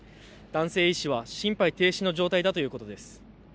男性医師は心肺停止の状態だということです。